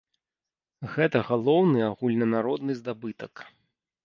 Гэта галоўны агульнанародны здабытак.